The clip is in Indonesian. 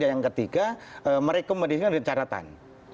yang ketiga merekomendasikan dari catatan